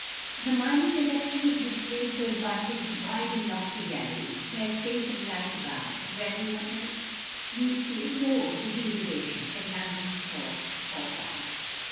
The Mamey Collection is displayed to advan tage in wide and lofty galleries, where space and light abound, and where the owners need fear no deterioration from London smoke or fog.